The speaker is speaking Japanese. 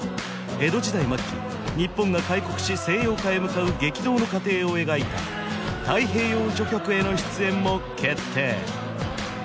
江戸時代末期日本が開国し西洋化へ向かう激動の過程を描いた「太平洋序曲」への出演も決定